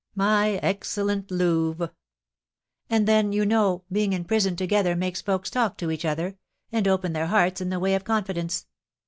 "My excellent Louve!" "And then, you know, being in prison together makes folks talk to each other, and open their hearts in the way of confidence.